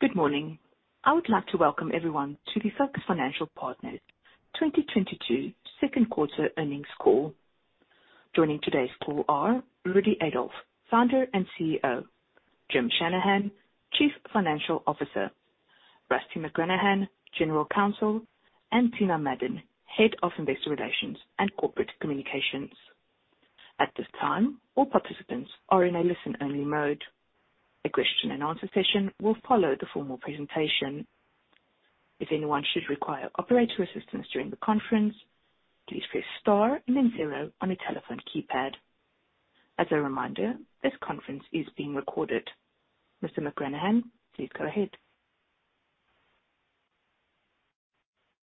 Good morning. I would like to welcome everyone to the Focus Financial Partners 2022 second quarter earnings call. Joining today's call are Rudy Adolf, Founder and CEO, Jim Shanahan, Chief Financial Officer, Rusty McGranahan, General Counsel, and Tina Madon, Head of Investor Relations and Corporate Communications. At this time, all participants are in a listen-only mode. A question and answer session will follow the formal presentation. If anyone should require operator assistance during the conference, please press star and then zero on your telephone keypad. As a reminder, this conference is being recorded. Mr. McGranahan, please go ahead.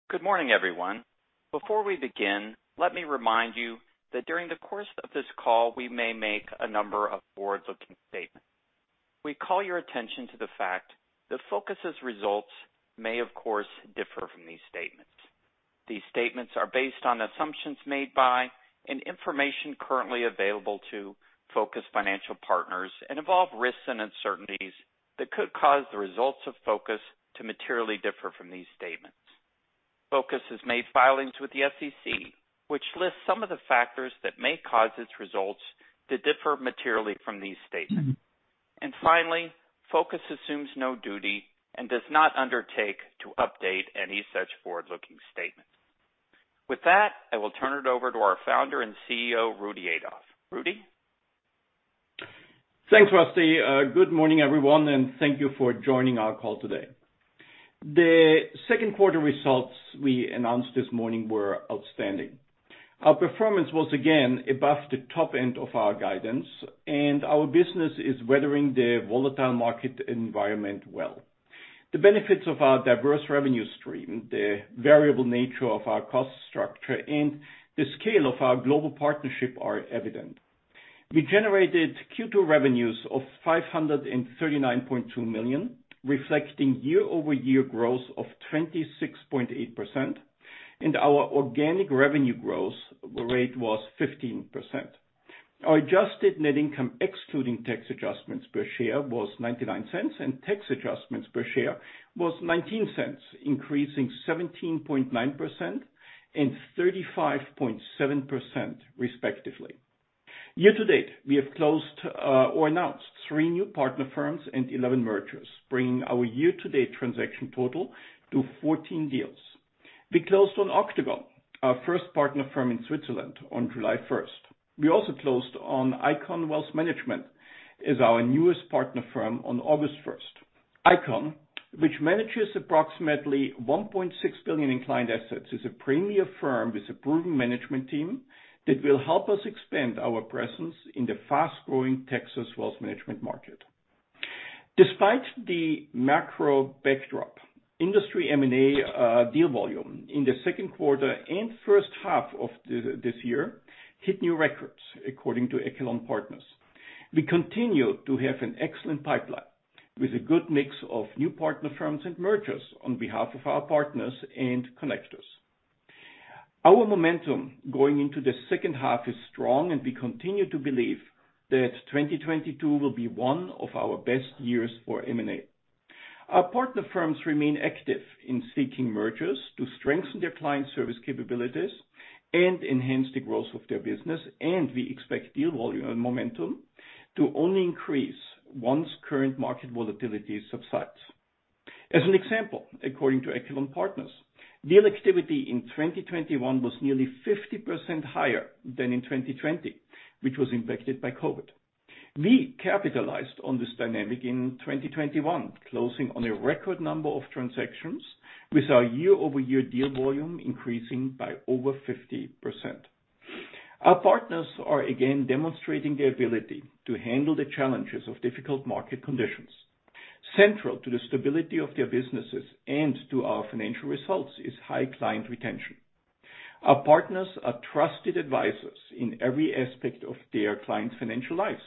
Good morning, everyone. Before we begin, let me remind you that during the course of this call, we may make a number of forward-looking statements. We call your attention to the fact that Focus' results may, of course, differ from these statements. These statements are based on assumptions made by, and information currently available to, Focus Financial Partners and involve risks and uncertainties that could cause the results of Focus to materially differ from these statements. Focus has made filings with the SEC, which lists some of the factors that may cause its results to differ materially from these statements. Finally, Focus assumes no duty and does not undertake to update any such forward-looking statements. With that, I will turn it over to our founder and CEO, Rudy Adolf. Rudy? Thanks, Rusty. Good morning, everyone, and thank you for joining our call today. The second quarter results we announced this morning were outstanding. Our performance was again above the top end of our guidance, and our business is weathering the volatile market environment well. The benefits of our diverse revenue stream, the variable nature of our cost structure, and the scale of our global partnership are evident. We generated Q2 revenues of $539.2 million, reflecting year-over-year growth of 26.8%, and our organic revenue growth rate was 15%. Our adjusted net income excluding tax adjustments per share was $0.99, and tax adjustments per share was $0.19, increasing 17.9% and 35.7% respectively. Year to date, we have closed or announced three new partner firms and 11 mergers, bringing our year-to-date transaction total to 14 deals. We closed on Octogone, our first partner firm in Switzerland, on July 1st. We also closed on Icon Wealth Partners as our newest partner firm on August 1st. Icon, which manages approximately $1.6 billion in client assets, is a premier firm with a proven management team that will help us expand our presence in the fast-growing Texas wealth management market. Despite the macro backdrop, industry M&A deal volume in the second quarter and first half of this year hit new records according to Echelon Partners. We continue to have an excellent pipeline with a good mix of new partner firms and mergers on behalf of our partners and connectors. Our momentum going into the second half is strong, and we continue to believe that 2022 will be one of our best years for M&A. Our partner firms remain active in seeking mergers to strengthen their client service capabilities and enhance the growth of their business. We expect deal volume and momentum to only increase once current market volatility subsides. As an example, according to Echelon Partners, deal activity in 2021 was nearly 50% higher than in 2020, which was impacted by COVID. We capitalized on this dynamic in 2021, closing on a record number of transactions with our year-over-year deal volume increasing by over 50%. Our partners are again demonstrating the ability to handle the challenges of difficult market conditions. Central to the stability of their businesses and to our financial results is high client retention. Our partners are trusted advisors in every aspect of their clients' financial lives,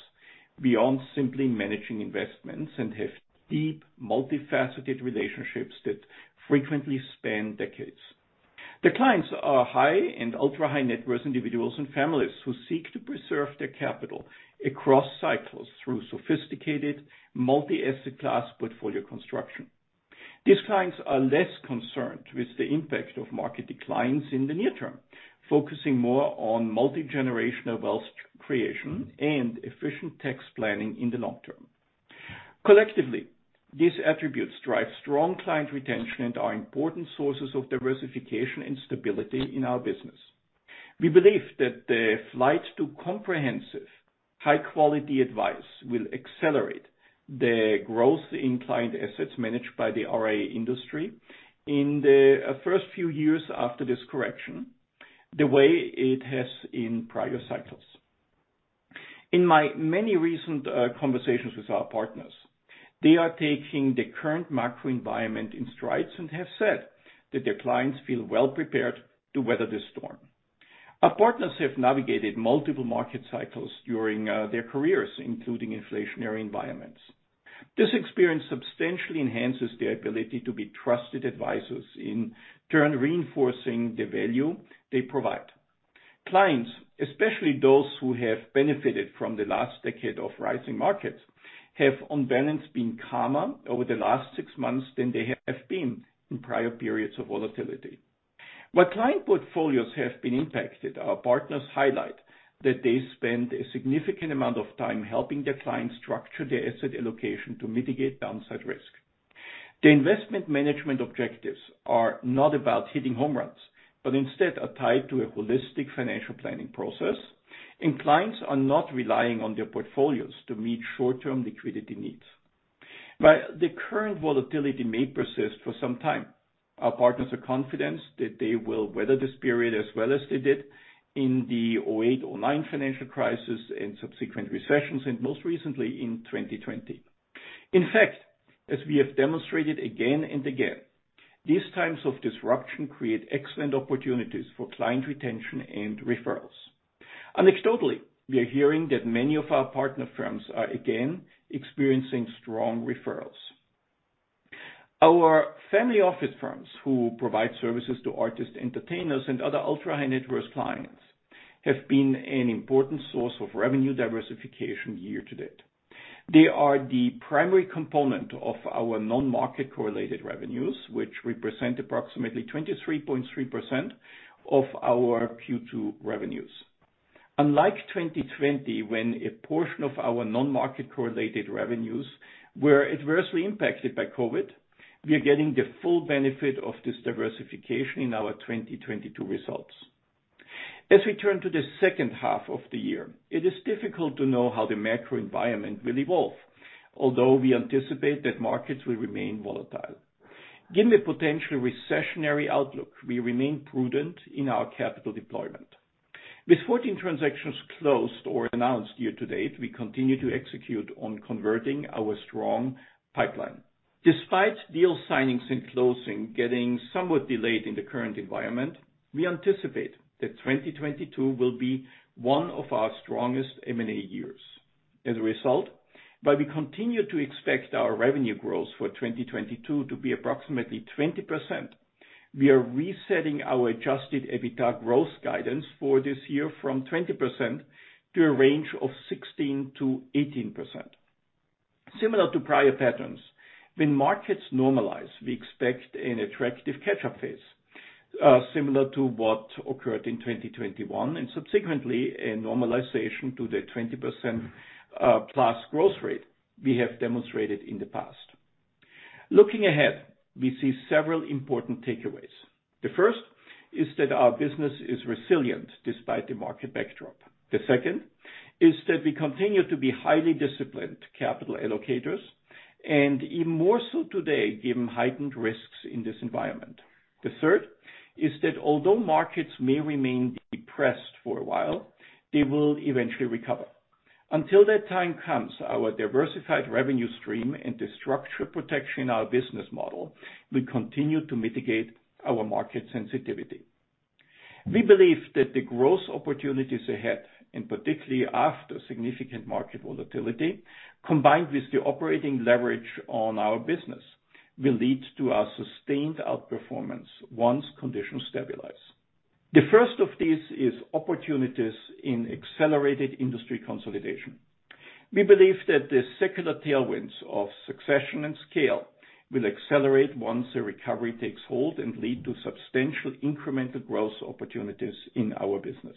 beyond simply managing investments, and have deep, multifaceted relationships that frequently span decades. Their clients are high and ultra-high-net-worth individuals and families who seek to preserve their capital across cycles through sophisticated multi-asset class portfolio construction. These clients are less concerned with the impact of market declines in the near term, focusing more on multi-generational wealth creation and efficient tax planning in the long term. Collectively, these attributes drive strong client retention and are important sources of diversification and stability in our business. We believe that the flight to comprehensive, high-quality advice will accelerate the growth in client assets managed by the RIA industry in the first few years after this correction, the way it has in prior cycles. In my many recent conversations with our partners, they are taking the current macro environment in strides and have said that their clients feel well prepared to weather this storm. Our partners have navigated multiple market cycles during their careers, including inflationary environments. This experience substantially enhances their ability to be trusted advisors, in turn reinforcing the value they provide. Clients, especially those who have benefited from the last decade of rising markets, have on balance been calmer over the last six months than they have been in prior periods of volatility. While client portfolios have been impacted, our partners highlight that they spend a significant amount of time helping their clients structure their asset allocation to mitigate downside risk. The investment management objectives are not about hitting home runs, but instead are tied to a holistic financial planning process, and clients are not relying on their portfolios to meet short-term liquidity needs. While the current volatility may persist for some time, our partners are confident that they will weather this period as well as they did in the 2008, 2009 financial crisis and subsequent recessions, and most recently in 2020. In fact, as we have demonstrated again and again, these times of disruption create excellent opportunities for client retention and referrals. Anecdotally, we are hearing that many of our partner firms are again experiencing strong referrals. Our family office firms who provide services to artists, entertainers, and other ultra-high net worth clients have been an important source of revenue diversification year to date. They are the primary component of our non-market correlated revenues, which represent approximately 23.3% of our Q2 revenues. Unlike 2020, when a portion of our non-market correlated revenues were adversely impacted by COVID, we are getting the full benefit of this diversification in our 2022 results. As we turn to the second half of the year, it is difficult to know how the macro environment will evolve, although we anticipate that markets will remain volatile. Given the potential recessionary outlook, we remain prudent in our capital deployment. With 14 transactions closed or announced year to date, we continue to execute on converting our strong pipeline. Despite deal signings and closing getting somewhat delayed in the current environment, we anticipate that 2022 will be one of our strongest M&A years. As a result, while we continue to expect our revenue growth for 2022 to be approximately 20%, we are resetting our adjusted EBITDA growth guidance for this year from 20% to a range of 16%-18%. Similar to prior patterns, when markets normalize, we expect an attractive catch-up phase, similar to what occurred in 2021, and subsequently a normalization to the 20%+ growth rate we have demonstrated in the past. Looking ahead, we see several important takeaways. The first is that our business is resilient despite the market backdrop. The second is that we continue to be highly disciplined capital allocators, and even more so today, given heightened risks in this environment. The third is that although markets may remain depressed for a while, they will eventually recover. Until that time comes, our diversified revenue stream and the structure protection in our business model will continue to mitigate our market sensitivity. We believe that the growth opportunities ahead, and particularly after significant market volatility, combined with the operating leverage on our business, will lead to our sustained outperformance once conditions stabilize. The first of these is opportunities in accelerated industry consolidation. We believe that the secular tailwinds of succession and scale will accelerate once a recovery takes hold and lead to substantial incremental growth opportunities in our business.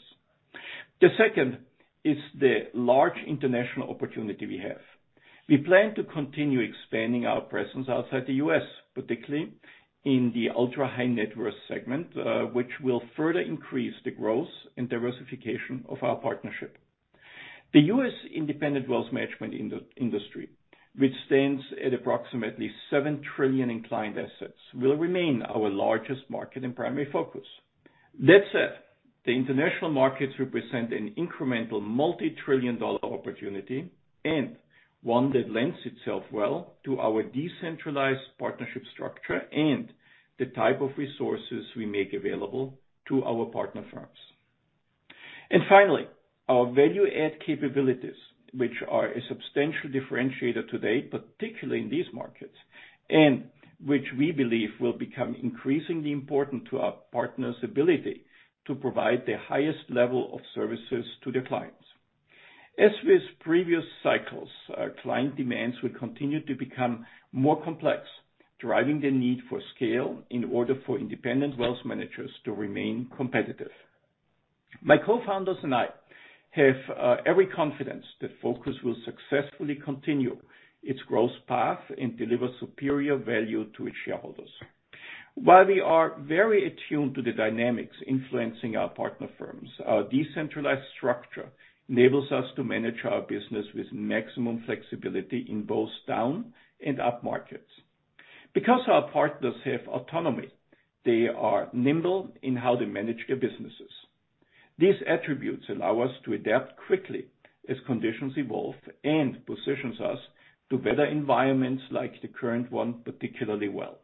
The second is the large international opportunity we have. We plan to continue expanding our presence outside the U.S., particularly in the ultra-high net worth segment, which will further increase the growth and diversification of our partnership. The U.S. independent wealth management industry, which stands at approximately $7 trillion in client assets, will remain our largest market and primary focus. That said, the international markets represent an incremental multi-trillion-dollar opportunity and one that lends itself well to our decentralized partnership structure and the type of resources we make available to our partner firms. Finally, our value add capabilities, which are a substantial differentiator today, particularly in these markets, and which we believe will become increasingly important to our partners' ability to provide the highest level of services to their clients. As with previous cycles, our client demands will continue to become more complex, driving the need for scale in order for independent wealth managers to remain competitive. My co-founders and I have every confidence that Focus will successfully continue its growth path and deliver superior value to its shareholders. While we are very attuned to the dynamics influencing our partner firms, our decentralized structure enables us to manage our business with maximum flexibility in both down and up markets. Because our partners have autonomy, they are nimble in how they manage their businesses. These attributes allow us to adapt quickly as conditions evolve and positions us to better environments like the current one particularly well.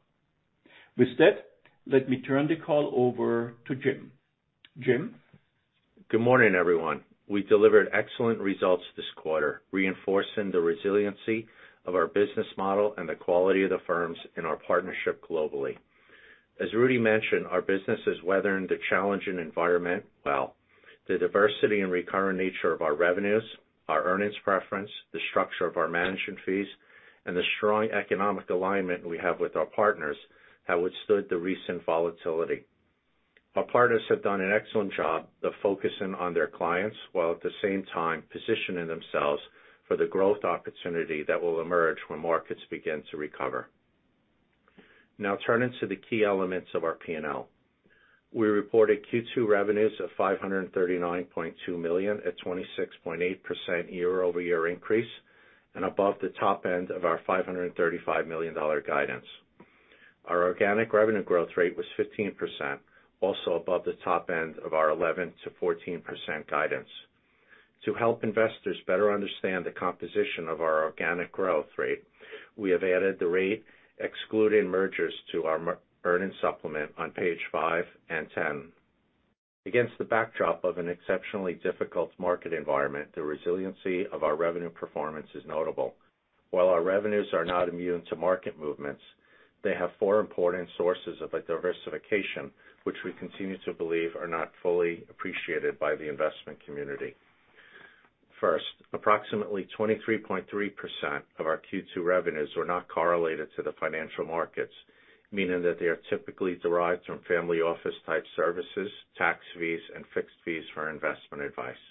With that, let me turn the call over to Jim. Jim? Good morning, everyone. We delivered excellent results this quarter, reinforcing the resiliency of our business model and the quality of the firms in our partnership globally. As Rudy mentioned, our business is weathering the challenging environment well. The diversity and recurring nature of our revenues, our earnings preference, the structure of our management fees, and the strong economic alignment we have with our partners have withstood the recent volatility. Our partners have done an excellent job of focusing on their clients while at the same time positioning themselves for the growth opportunity that will emerge when markets begin to recover. Now turning to the key elements of our P&L. We reported Q2 revenues of $539.2 million, a 26.8% year-over-year increase, and above the top end of our $535 million guidance. Our organic revenue growth rate was 15%, also above the top end of our 11%-14% guidance. To help investors better understand the composition of our organic growth rate, we have added the rate excluding mergers to our earnings supplement on page five and 10. Against the backdrop of an exceptionally difficult market environment, the resiliency of our revenue performance is notable. While our revenues are not immune to market movements, they have four important sources of a diversification which we continue to believe are not fully appreciated by the investment community. First, approximately 23.3% of our Q2 revenues were not correlated to the financial markets, meaning that they are typically derived from family office type services, tax fees, and fixed fees for investment advice.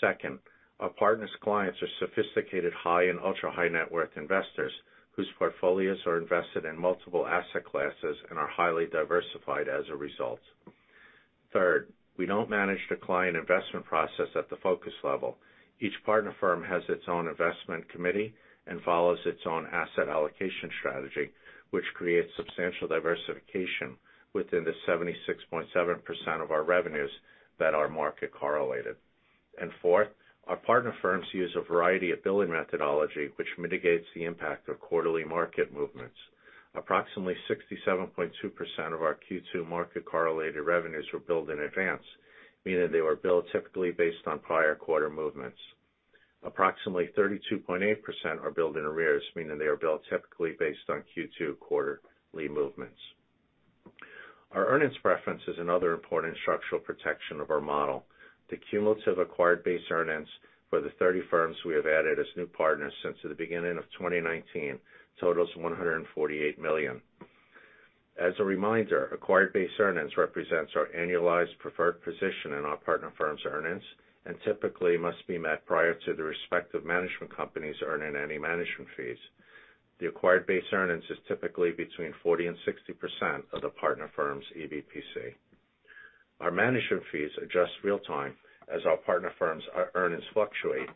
Second, our partners' clients are sophisticated high and ultra-high net worth investors whose portfolios are invested in multiple asset classes and are highly diversified as a result. Third, we don't manage the client investment process at the Focus level. Each partner firm has its own investment committee and follows its own asset allocation strategy, which creates substantial diversification within the 76.7% of our revenues that are market correlated. Fourth, our partner firms use a variety of billing methodology, which mitigates the impact of quarterly market movements. Approximately 67.2% of our Q2 market-correlated revenues were billed in advance, meaning they were billed typically based on prior quarter movements. Approximately 32.8% are billed in arrears, meaning they are billed typically based on Q2 quarterly movements. Our earnings preference is another important structural protection of our model. The cumulative acquired base earnings for the 30 firms we have added as new partners since the beginning of 2019 totals $148 million. As a reminder, acquired base earnings represents our annualized preferred position in our partner firms' earnings, and typically must be met prior to the respective management companies earning any management fees. The acquired base earnings is typically between 40%-60% of the partner firm's EBPC. Our management fees adjust real time as our partner firms' earnings fluctuate.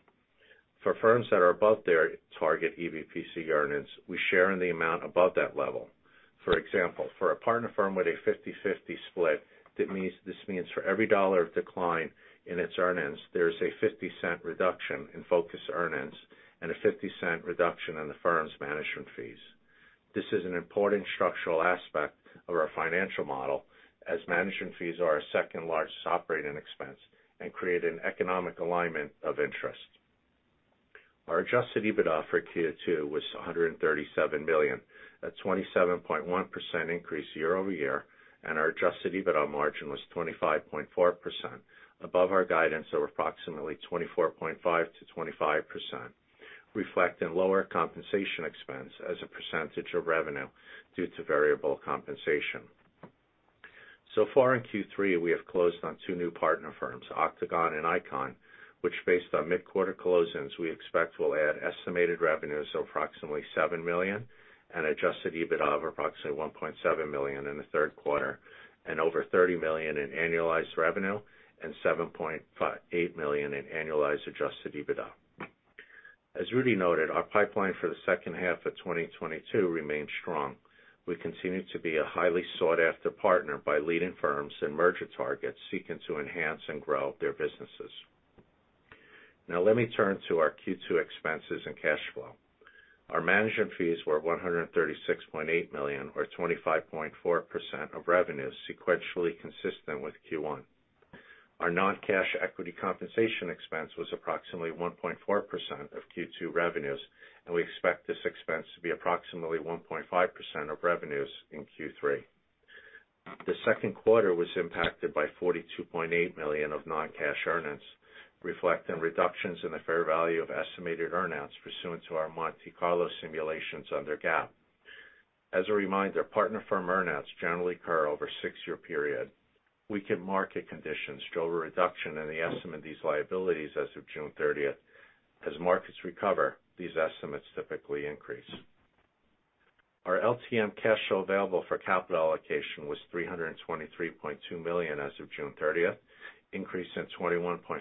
For firms that are above their target EBPC earnings, we share in the amount above that level. For example, for a partner firm with a 50/50 split, this means for every dollar of decline in its earnings, there is a $0.5 reduction in Focus earnings and a $0.5 reduction in the firm's management fees. This is an important structural aspect of our financial model as management fees are our second-largest operating expense and create an economic alignment of interest. Our adjusted EBITDA for Q2 was $137 million, a 27.1% increase year-over-year, and our adjusted EBITDA margin was 25.4% above our guidance of approximately 24.5%-25%, reflecting lower compensation expense as a percentage of revenue due to variable compensation. So far in Q3, we have closed on two new partner firms, Octogone and Icon, which based on mid-quarter closings, we expect will add estimated revenues of approximately $7 million and adjusted EBITDA of approximately $1.7 million in the third quarter and over $30 million in annualized revenue and $7.5 million-$8 million in annualized adjusted EBITDA. As Rudy noted, our pipeline for the second half of 2022 remains strong. We continue to be a highly sought-after partner by leading firms and merger targets seeking to enhance and grow their businesses. Now let me turn to our Q2 expenses and cash flow. Our management fees were $136.8 million or 25.4% of revenues sequentially consistent with Q1. Our non-cash equity compensation expense was approximately 1.4% of Q2 revenues, and we expect this expense to be approximately 1.5% of revenues in Q3. The second quarter was impacted by $42.8 million of non-cash earnings, reflecting reductions in the fair value of estimated earn-outs pursuant to our Monte Carlo simulations under GAAP. As a reminder, partner firm earn-outs generally occur over a six-year period. Weakened market conditions showed a reduction in the estimates of these liabilities as of June 30th. As markets recover, these estimates typically increase. Our LTM cash available for capital allocation was $323.2 million as of June 30th, increasing 21.5%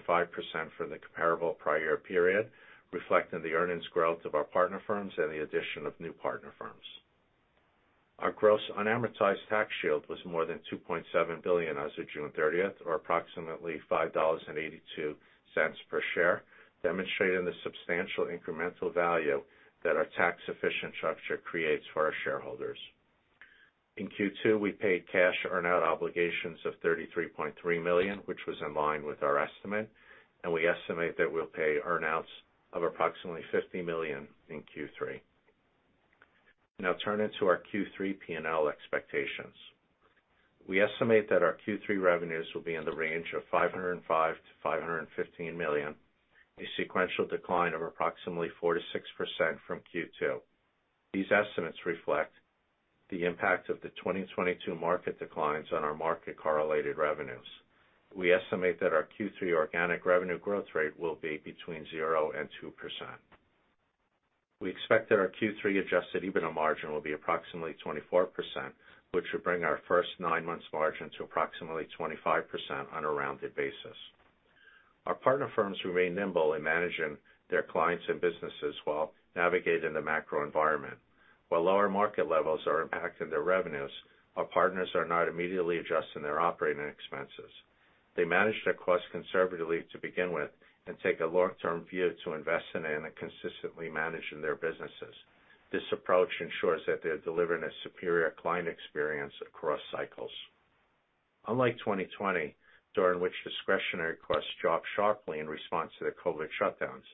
for the comparable prior period, reflecting the earnings growth of our partner firms and the addition of new partner firms. Our gross unamortized tax shield was more than $2.7 billion as of June 30th, or approximately $5.82 per share, demonstrating the substantial incremental value that our tax-efficient structure creates for our shareholders. In Q2, we paid cash earn-out obligations of $33.3 million, which was in line with our estimate, and we estimate that we'll pay earn-outs of approximately $50 million in Q3. Now turning to our Q3 P&L expectations. We estimate that our Q3 revenues will be in the range of $505 million-$515 million, a sequential decline of approximately 4%-6% from Q2. These estimates reflect the impact of the 2022 market declines on our market correlated revenues. We estimate that our Q3 organic revenue growth rate will be between 0% and 2%. We expect that our Q3 adjusted EBITDA margin will be approximately 24%, which will bring our first nine months margin to approximately 25% on a rounded basis. Our partner firms remain nimble in managing their clients and businesses while navigating the macro environment. While lower market levels are impacting their revenues, our partners are not immediately adjusting their operating expenses. They manage their costs conservatively to begin with and take a long-term view to investing in and consistently managing their businesses. This approach ensures that they're delivering a superior client experience across cycles. Unlike 2020, during which discretionary costs dropped sharply in response to the COVID shutdowns,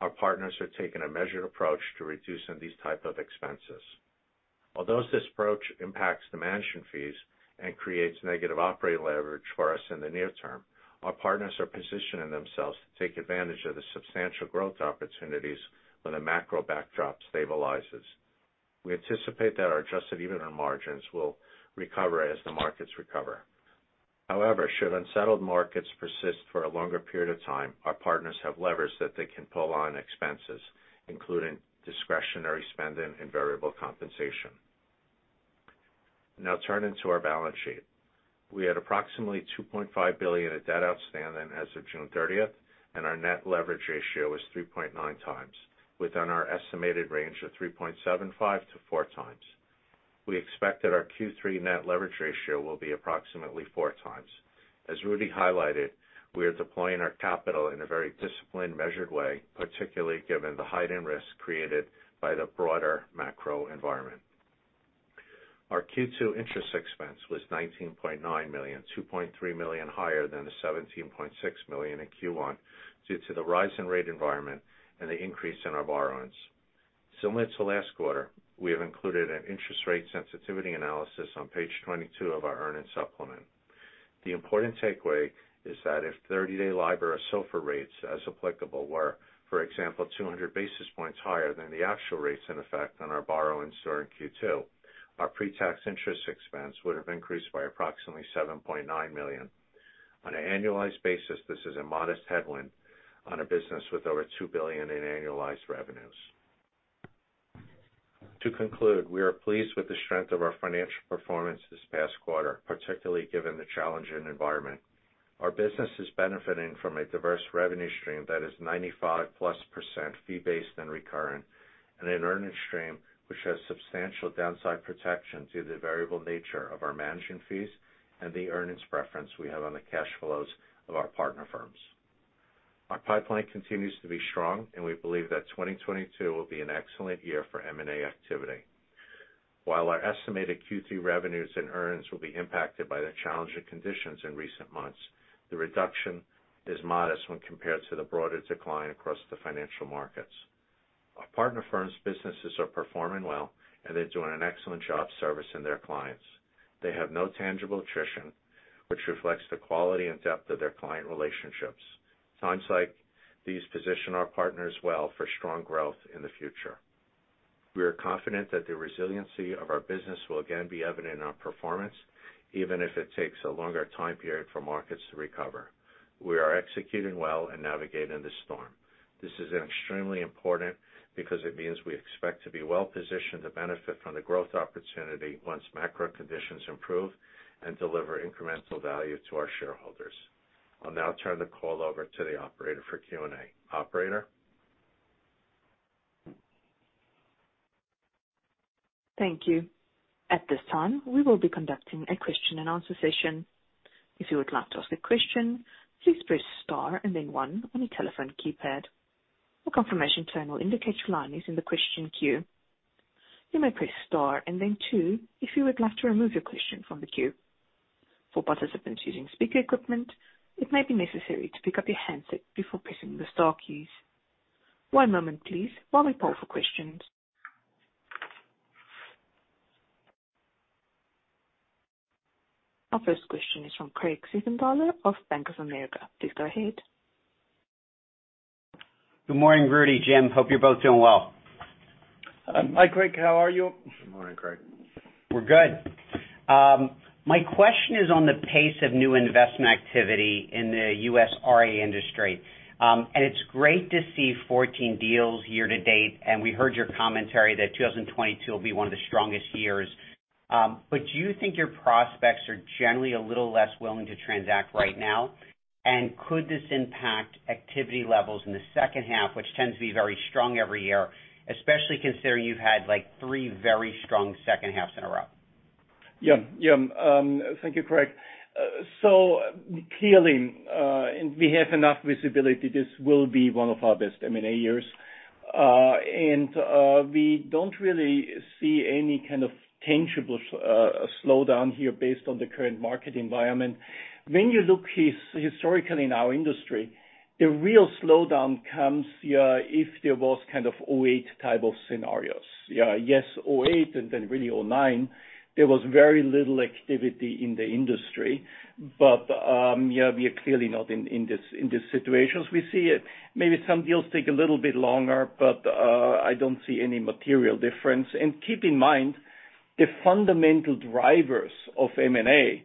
our partners are taking a measured approach to reducing these type of expenses. Although this approach impacts the management fees and creates negative operating leverage for us in the near term, our partners are positioning themselves to take advantage of the substantial growth opportunities when the macro backdrop stabilizes. We anticipate that our adjusted EBITDA margins will recover as the markets recover. However, should unsettled markets persist for a longer period of time, our partners have levers that they can pull on expenses, including discretionary spending and variable compensation. Now turning to our balance sheet. We had approximately $2.5 billion in debt outstanding as of June 30th, and our net leverage ratio was 3.9x, within our estimated range of 3.75x-4x. We expect that our Q3 net leverage ratio will be approximately 4x. As Rudy highlighted, we are deploying our capital in a very disciplined, measured way, particularly given the heightened risk created by the broader macro environment. Our Q2 interest expense was $19.9 million, $2.3 million higher than the $17.6 million in Q1 due to the rise in the rate environment and the increase in our borrowings. Similar to last quarter, we have included an interest rate sensitivity analysis on page 22 of our earnings supplement. The important takeaway is that if 30-day LIBOR or SOFR rates as applicable were, for example, 200 basis points higher than the actual rates in effect on our borrowings during Q2, our pre-tax interest expense would have increased by approximately $7.9 million. On an annualized basis, this is a modest headwind on a business with over $2 billion in annualized revenues. To conclude, we are pleased with the strength of our financial performance this past quarter, particularly given the challenging environment. Our business is benefiting from a diverse revenue stream that is 95%+ fee-based and recurring, and an earnings stream which has substantial downside protection due to the variable nature of our managing fees and the earnings preference we have on the cash flows of our partner firms. Our pipeline continues to be strong, and we believe that 2022 will be an excellent year for M&A activity. While our estimated Q3 revenues and earnings will be impacted by the challenging conditions in recent months, the reduction is modest when compared to the broader decline across the financial markets. Our partner firms' businesses are performing well, and they're doing an excellent job servicing their clients. They have no tangible attrition, which reflects the quality and depth of their client relationships. Times like these position our partners well for strong growth in the future. We are confident that the resiliency of our business will again be evident in our performance, even if it takes a longer time period for markets to recover. We are executing well and navigating the storm. This is extremely important because it means we expect to be well positioned to benefit from the growth opportunity once macro conditions improve and deliver incremental value to our shareholders. I'll now turn the call over to the operator for Q&A. Operator? Thank you. At this time, we will be conducting a question and answer session. If you would like to ask a question, please press star and then one on your telephone keypad. A confirmation tone will indicate your line is in the question queue. You may press star and then two if you would like to remove your question from the queue. For participants using speaker equipment, it may be necessary to pick up your handset before pressing the star keys. One moment please while we poll for questions. Our first question is from Craig Siegenthaler of Bank of America. Please go ahead. Good morning, Rudy, Jim. Hope you're both doing well. Hi, Craig. How are you? Good morning, Craig. We're good. My question is on the pace of new investment activity in the U.S. RIA industry. It's great to see 14 deals year to date, and we heard your commentary that 2022 will be one of the strongest years. Do you think your prospects are generally a little less willing to transact right now? Could this impact activity levels in the second half, which tends to be very strong every year, especially considering you've had, like, three very strong second halves in a row? Thank you, Craig. Clearly, we have enough visibility. This will be one of our best M&A years. We don't really see any kind of tangible slowdown here based on the current market environment. When you look historically in our industry, the real slowdown comes if there was kind of 2008-type scenarios. Yes, 2008 and then really 2009, there was very little activity in the industry. We are clearly not in these situations. We see it, maybe some deals take a little bit longer, but I don't see any material difference. Keep in mind, the fundamental drivers of M&A,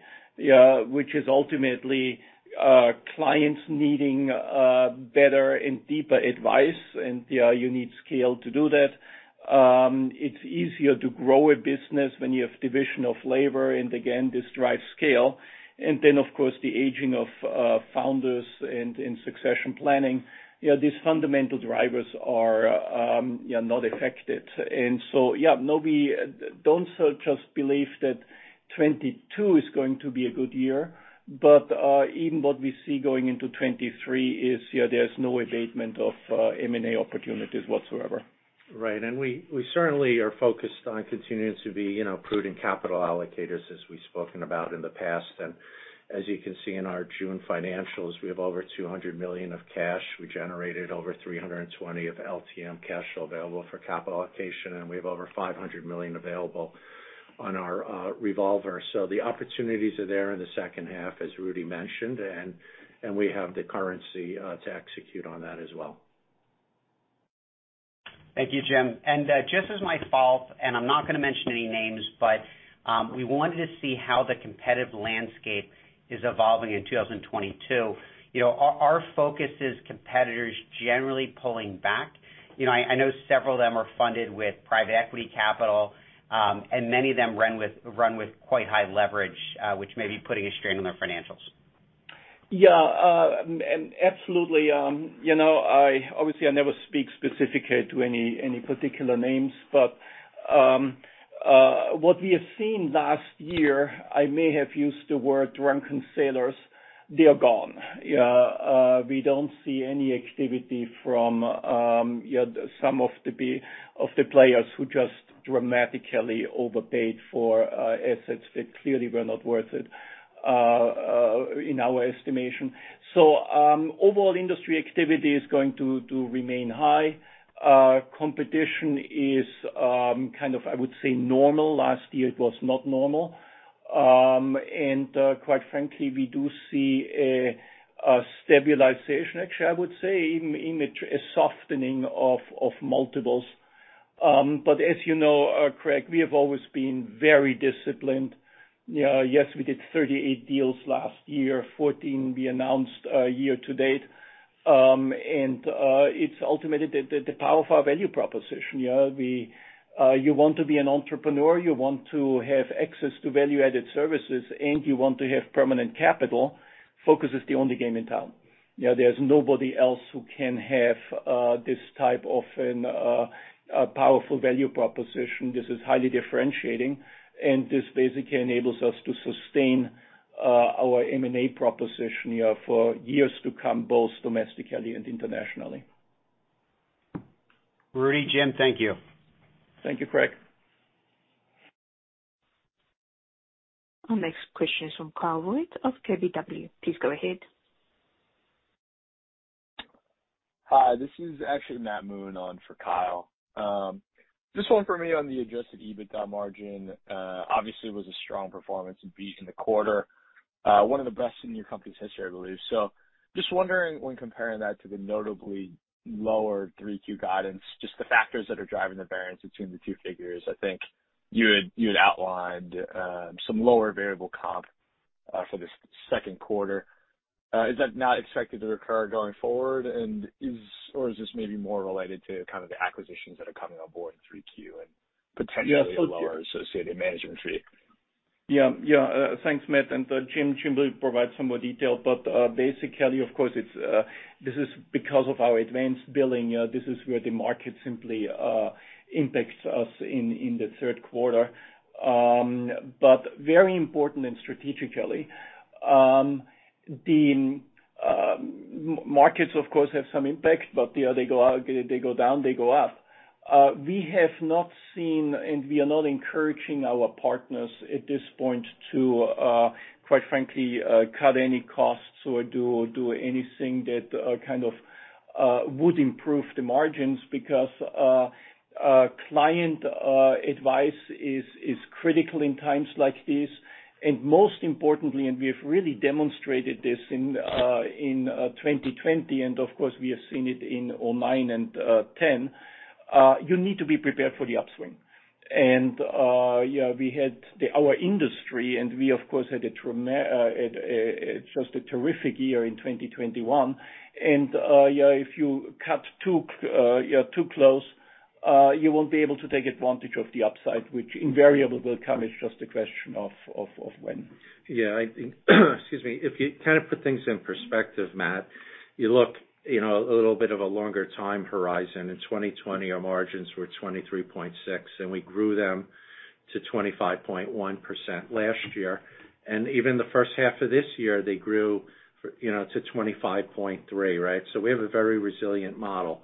which is ultimately clients needing better and deeper advice, and you need scale to do that. It's easier to grow a business when you have division of labor, and again, this drives scale. Then, of course, the aging of founders and succession planning. You know, these fundamental drivers are not affected. Yeah, no, we just believe that 2022 is going to be a good year. Even what we see going into 2023 is, yeah, there's no abatement of M&A opportunities whatsoever. Right. We certainly are focused on continuing to be, you know, prudent capital allocators, as we've spoken about in the past. As you can see in our June financials, we have over $200 million of cash. We generated over $320 million of LTM cash available for capital allocation, and we have over $500 million available on our revolver. The opportunities are there in the second half, as Rudy mentioned, and we have the currency to execute on that as well. Thank you, Jim. Just as my follow-up, and I'm not gonna mention any names, but, we wanted to see how the competitive landscape is evolving in 2022. Are Focus competitors generally pulling back? I know several of them are funded with private equity capital, and many of them run with quite high leverage, which may be putting a strain on their financials. Yeah, absolutely. You know, obviously, I never speak specifically to any particular names. What we have seen last year, I may have used the word drunken sailors. They are gone. We don't see any activity from some of the players who just dramatically overpaid for assets that clearly were not worth it, in our estimation. Overall industry activity is going to remain high. Competition is kind of, I would say, normal. Last year it was not normal. Quite frankly, we do see a stabilization. Actually, I would say even a softening of multiples. As you know, Craig, we have always been very disciplined. You know, yes, we did 38 deals last year, 14 we announced year to date. It's ultimately the power of our value proposition. You know, you want to be an entrepreneur, you want to have access to value-added services, and you want to have permanent capital, Focus is the only game in town. You know, there's nobody else who can have this type of a powerful value proposition. This is highly differentiating, and this basically enables us to sustain our M&A proposition, you know, for years to come, both domestically and internationally. Rudy, Jim, thank you. Thank you, Craig. Our next question is from Kyle Voigt of KBW. Please go ahead. Hi. This is actually Matthew Moon on for Kyle. Just one for me on the adjusted EBITDA margin. Obviously, it was a strong performance and beat in the quarter. One of the best in your company's history, I believe. Just wondering, when comparing that to the notably lower Q3 guidance, just the factors that are driving the variance between the two figures. I think you had outlined some lower variable comp for the second quarter. Is that not expected to recur going forward? Or is this maybe more related to kind of the acquisitions that are coming on board in Q3 and potentially lower associated management fee? Yeah. Thanks, Matthew. Jim will provide some more detail. Basically, of course, this is because of our advanced billing. This is where the market simply impacts us in the third quarter. Very important and strategically, the markets of course have some impact, but you know, they go up, they go down, they go up. We have not seen, and we are not encouraging our partners at this point to quite frankly cut any costs or do anything that kind of would improve the margins because client advice is critical in times like this. Most importantly, we have really demonstrated this in 2020, and of course, we have seen it in 2009 and 2010. You need to be prepared for the upswing. Our industry, and we, of course, had a terrific year in 2021. If you cut too close, you won't be able to take advantage of the upside, which invariably will come. It's just a question of when. Yeah, I think excuse me. If you kind of put things in perspective, Matthew, you look, you know, a little bit of a longer time horizon. In 2020, our margins were 23.6%, and we grew them to 25.1% last year. Even the first half of this year, they grew You know, to 25.3%, right? We have a very resilient model.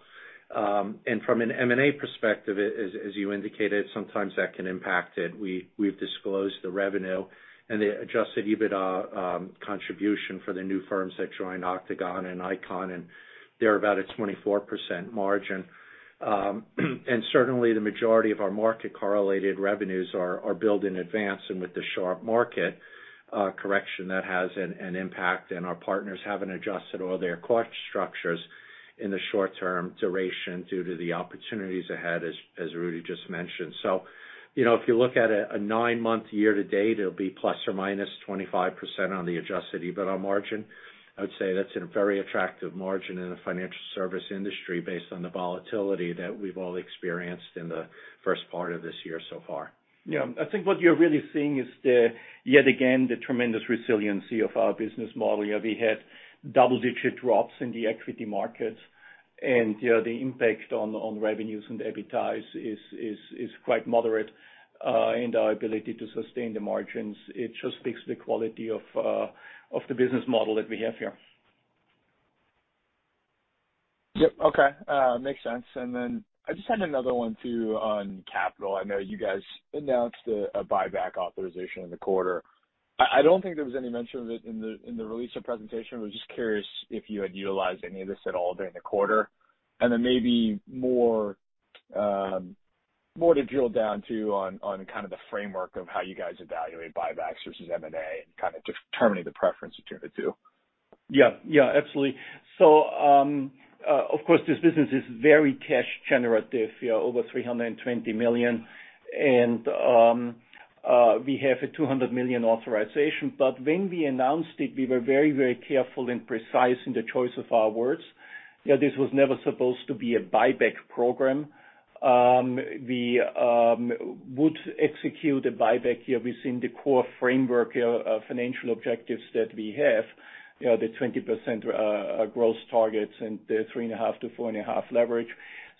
From an M&A perspective, as you indicated, sometimes that can impact it. We've disclosed the revenue and the adjusted EBITDA contribution for the new firms that joined Octogone and Icon, and they're about a 24% margin. Certainly the majority of our market-correlated revenues are billed in advance. With the sharp market correction that has an impact, and our partners haven't adjusted all their cost structures in the short term duration due to the opportunities ahead as Rudy just mentioned. You know, if you look at a nine-month year to date, it'll be ±25% on the adjusted EBITDA margin. I would say that's a very attractive margin in the financial service industry based on the volatility that we've all experienced in the first part of this year so far. Yeah. I think what you're really seeing is, yet again, the tremendous resiliency of our business model. You know, we had double-digit drops in the equity markets and, you know, the impact on revenues and the EBITDAs is quite moderate in our ability to sustain the margins. It just speaks to the quality of the business model that we have here. Yep. Okay. Makes sense. I just had another one too on capital. I know you guys announced a buyback authorization in the quarter. I don't think there was any mention of it in the release or presentation. I was just curious if you had utilized any of this at all during the quarter. Maybe more to drill down to on kind of the framework of how you guys evaluate buybacks versus M&A and kind of determining the preference between the two. Yeah. Absolutely. Of course this business is very cash generative. Yeah, over $320 million. We have a $200 million authorization. But when we announced it, we were very, very careful and precise in the choice of our words. Yeah, this was never supposed to be a buyback program. We would execute a buyback here within the core framework, you know, of financial objectives that we have. You know, the 20% growth targets and the 3.5-4.5 leverage.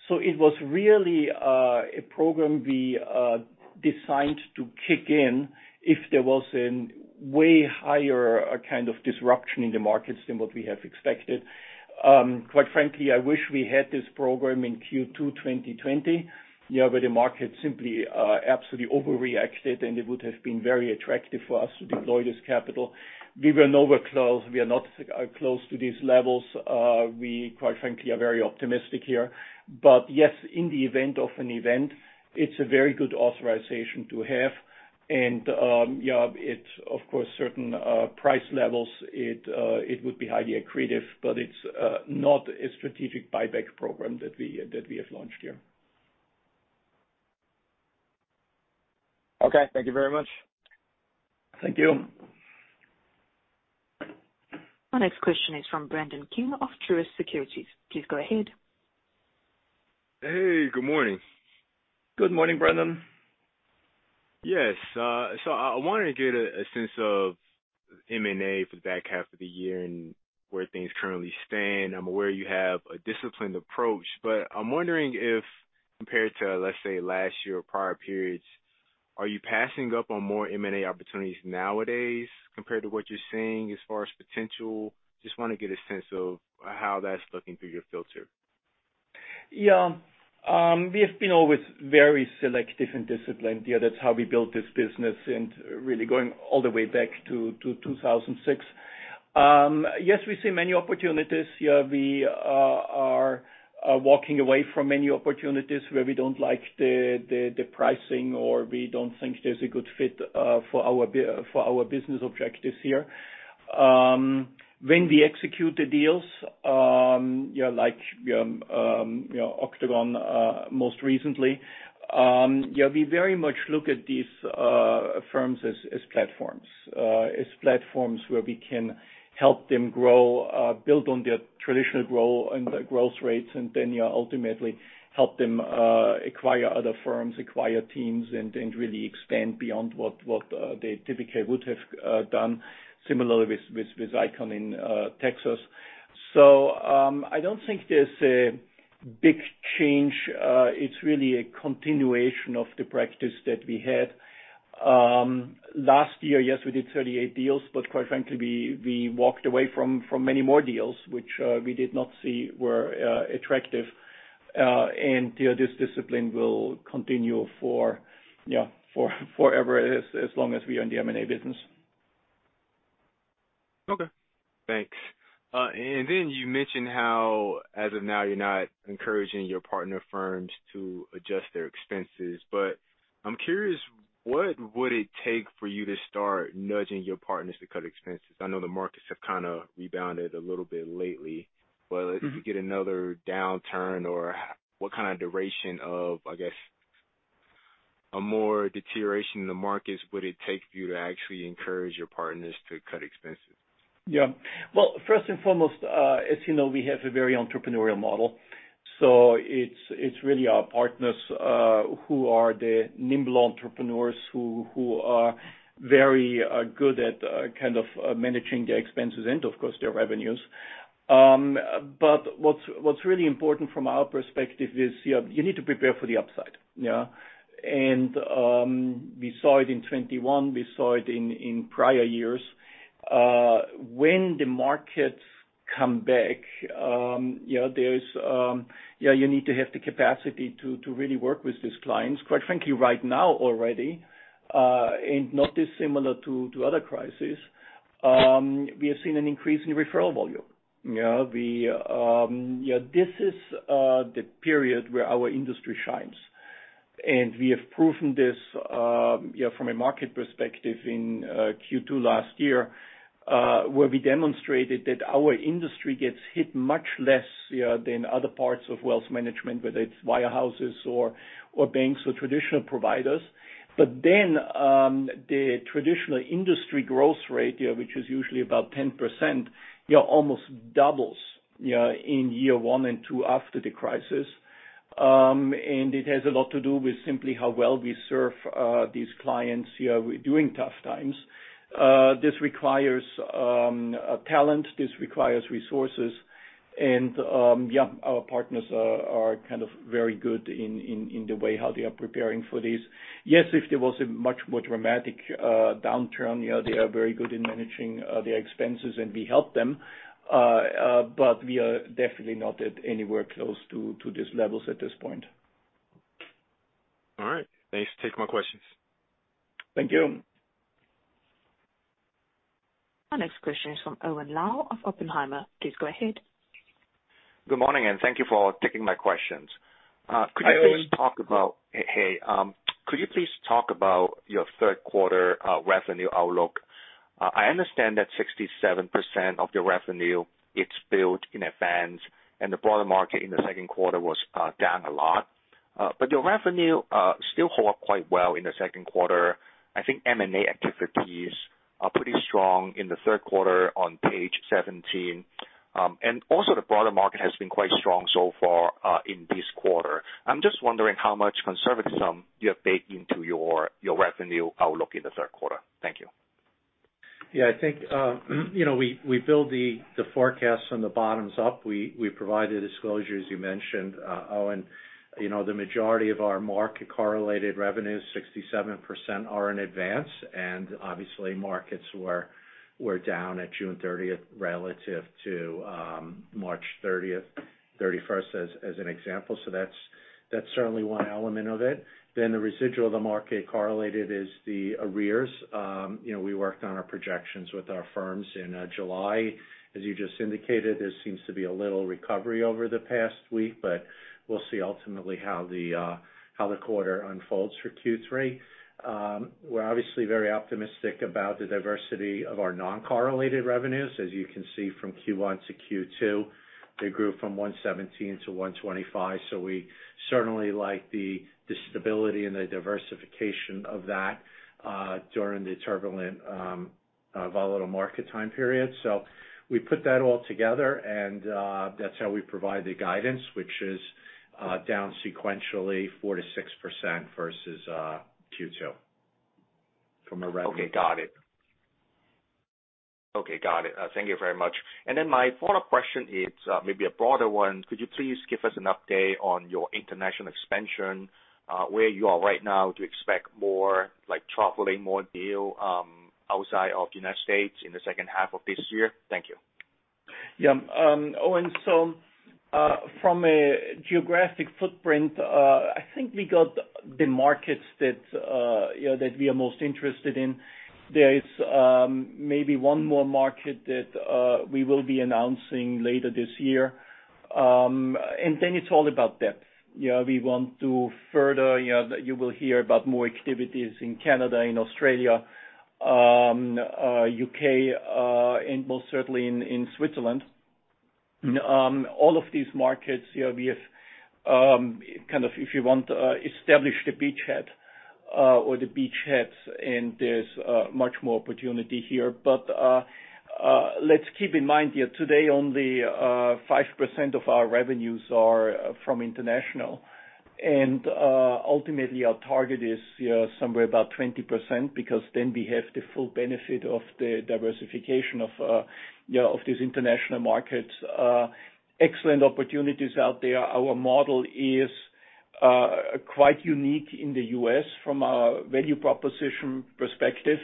It was really a program we designed to kick in if there was any higher kind of disruption in the markets than what we have expected. Quite frankly, I wish we had this program in Q2 2020. Yeah, where the market simply absolutely overreacted, and it would have been very attractive for us to deploy this capital. We were nowhere close. We are not close to these levels. We quite frankly are very optimistic here. But yes, in the event of an event, it's a very good authorization to have. Yeah, it's of course certain price levels, it would be highly accretive, but it's not a strategic buyback program that we have launched here. Okay. Thank you very much. Thank you. Our next question is from Brandon King of Truist Securities. Please go ahead. Hey, good morning. Good morning, Brandon. Yes. I wanted to get a sense of M&A for the back half of the year and where things currently stand. I'm aware you have a disciplined approach, but I'm wondering if compared to, let's say, last year or prior periods, are you passing up on more M&A opportunities nowadays compared to what you're seeing as far as potential? Just wanna get a sense of how that's looking through your filter. Yeah. We have been always very selective and disciplined. Yeah, that's how we built this business and really going all the way back to 2006. Yes, we see many opportunities. Yeah, we are walking away from many opportunities where we don't like the pricing or we don't think there's a good fit for our business objectives here. When we execute the deals, yeah, like, you know, Octogone, most recently, yeah, we very much look at these firms as platforms. As platforms where we can help them grow, build on their traditional growth and their growth rates, and then ultimately help them acquire other firms, acquire teams, and really expand beyond what they typically would have done similarly with Icon in Texas. I don't think there's a big change. It's really a continuation of the practice that we had. Last year, yes, we did 38 deals, but quite frankly, we walked away from many more deals which we did not see were attractive. You know, this discipline will continue for forever, as long as we are in the M&A business. Okay. Thanks. You mentioned how as of now you're not encouraging your partner firms to adjust their expenses. I'm curious, what would it take for you to start nudging your partners to cut expenses? I know the markets have kinda rebounded a little bit lately, but if we get another downturn or what kind of duration of, I guess, a more deterioration in the markets would it take for you to actually encourage your partners to cut expenses? Yeah. Well, first and foremost, as you know, we have a very entrepreneurial model. It's really our partners who are the nimble entrepreneurs who are very good at kind of managing their expenses and of course, their revenues. What's really important from our perspective is you need to prepare for the upside, yeah. We saw it in 2021, we saw it in prior years. When the markets come back, you know, there's you need to have the capacity to really work with these clients. Quite frankly, right now already, and not dissimilar to other crises, we have seen an increase in referral volume. You know, this is the period where our industry shines. We have proven this, you know, from a market perspective in Q2 last year, where we demonstrated that our industry gets hit much less than other parts of wealth management, whether it's wirehouses or banks or traditional providers. The traditional industry growth rate, which is usually about 10%, almost doubles in year one and two after the crisis. It has a lot to do with simply how well we serve these clients during tough times. This requires talent. This requires resources. Our partners are kind of very good in the way how they are preparing for this. If there was a much more dramatic downturn, you know, they are very good in managing their expenses, and we help them. We are definitely not anywhere close to these levels at this point. All right. Thanks. Take more questions. Thank you. Our next question is from Owen Lau of Oppenheimer. Please go ahead. Good morning, and thank you for taking my questions. Hey, Owen. Could you please talk about your third quarter revenue outlook? I understand that 67% of the revenue, it's built in advance, and the broader market in the second quarter was down a lot. But your revenue still hold up quite well in the second quarter. I think M&A activities are pretty strong in the third quarter on page 17. And also the broader market has been quite strong so far in this quarter. I'm just wondering how much conservatism you have baked into your revenue outlook in the third quarter. Thank you. Yeah, I think, you know, we build the forecast from the bottoms up. We provide the disclosures you mentioned, Owen. You know, the majority of our market-correlated revenues, 67% are in advance. Obviously markets were down at June 30th relative to March 30th, 31st, as an example. That's certainly one element of it. Then the residual of the market-correlated is the arrears. You know, we worked on our projections with our firms in July. As you just indicated, there seems to be a little recovery over the past week, but we'll see ultimately how the quarter unfolds for Q3. We're obviously very optimistic about the diversity of our non-correlated revenues. As you can see from Q1 to Q2, they grew from $117 to $125. We certainly like the stability and the diversification of that during the turbulent volatile market time period. We put that all together, and that's how we provide the guidance, which is down sequentially 4%-6% versus Q2 from a revenue- Okay. Got it. Thank you very much. My follow-up question is, maybe a broader one. Could you please give us an update on your international expansion, where you are right now? Do you expect more like traveling, more deals outside of United States in the second half of this year? Thank you. Yeah. Owen, so, from a geographic footprint, I think we got the markets that, you know, that we are most interested in. There is, maybe one more market that, we will be announcing later this year. It's all about depth. Yeah, we want to further, you know, you will hear about more activities in Canada, in Australia, U.K., and most certainly in Switzerland. All of these markets, you know, we have, kind of, if you want, established a beachhead, or the beachheads, and there's, much more opportunity here. Let's keep in mind here, today only, 5% of our revenues are from international. Ultimately, our target is somewhere about 20% because then we have the full benefit of the diversification of these international markets. Excellent opportunities out there. Our model is quite unique in the U.S. from a value proposition perspective.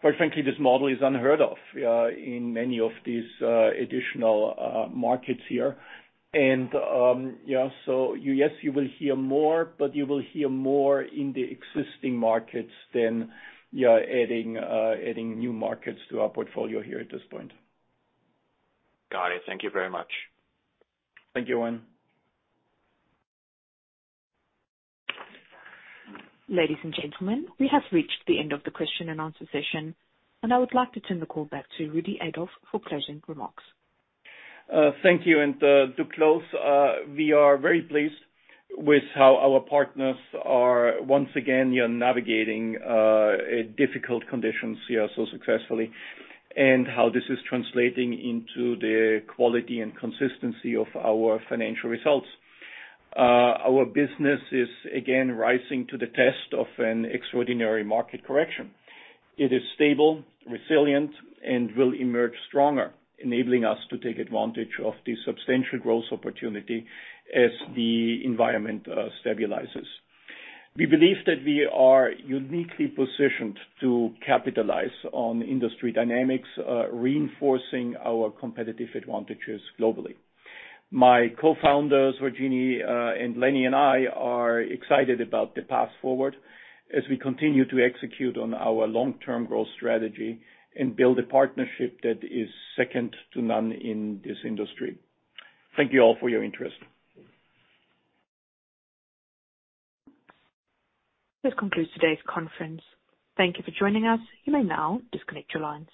Quite frankly, this model is unheard of in many of these additional markets here. Yes, you will hear more, but you will hear more in the existing markets than adding new markets to our portfolio here at this point. Got it. Thank you very much. Thank you, Owen. Ladies and gentlemen, we have reached the end of the question and answer session, and I would like to turn the call back to Rudy Adolf for closing remarks. Thank you. To close, we are very pleased with how our partners are once again, you know, navigating difficult conditions here so successfully and how this is translating into the quality and consistency of our financial results. Our business is again rising to the test of an extraordinary market correction. It is stable, resilient, and will emerge stronger, enabling us to take advantage of the substantial growth opportunity as the environment stabilizes. We believe that we are uniquely positioned to capitalize on industry dynamics, reinforcing our competitive advantages globally. My cofounders, Rajini, and Lenny and I are excited about the path forward as we continue to execute on our long-term growth strategy and build a partnership that is second to none in this industry. Thank you all for your interest. This concludes today's conference. Thank you for joining us. You may now disconnect your lines.